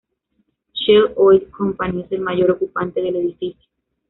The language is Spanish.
Shell Oil Company es el mayor ocupante del edificio.